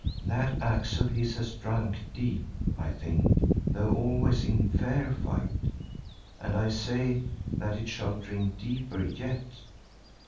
That axe of his has drunk deep, I think, though always in fair fight, and I say that it shall drink deeper yet.